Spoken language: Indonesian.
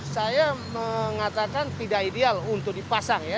saya mengatakan tidak ideal untuk dipasang ya